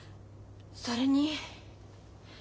それに。